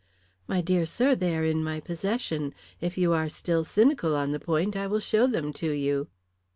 "My dear sir, they are in my possession. If you are still cynical on the point I will show them to you."